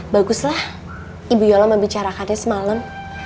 baguslah ibu yola membicarakannya semalam